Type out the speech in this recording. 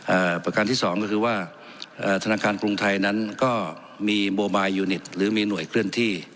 ประการที่สองก็คือว่าเอ่อธนาคารกรุงไทยนั้นก็มีโมบายยูนิตหรือมีหน่วยเคลื่อนที่